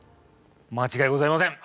間違いございません。